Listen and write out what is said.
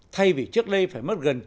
thay vì trước đây phải mất gần chục